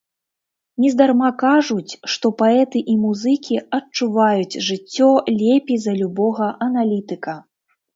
Нездарма кажуць, што паэты і музыкі адчуваюць жыццё лепей за любога аналітыка.